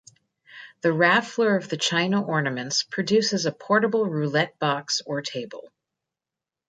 The raffler of the China ornaments produces a portable roulette box or table.